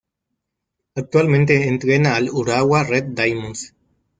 Actualmente entrena al Urawa Red Diamonds.